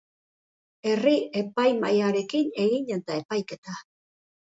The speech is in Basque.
Herri-epaimahaiarekin eginen da epaiketa.